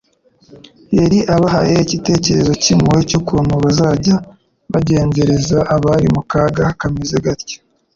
yari abahaye icyitegererezo cy'impuhwe cy'ukuntu bazajya bagenzereza abari mu kaga kameze gatyo.